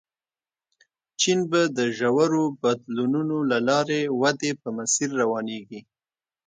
چین به د ژورو بدلونونو له لارې ودې په مسیر روانېږي.